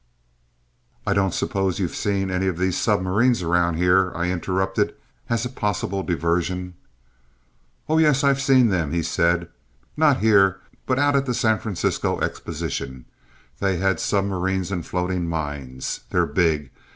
"I don't suppose you've seen any of these submarines around here," I interrupted, as a possible diversion. "Oh, yes; I've seen them," he said; "not here, but out at the San Francisco Exposition. They had submarines and floating mines. They're big.